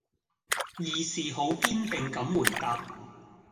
義士好堅定咁回答